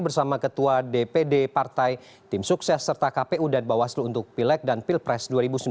bersama ketua dpd partai tim sukses serta kpu dan bawaslu untuk pileg dan pilpres dua ribu sembilan belas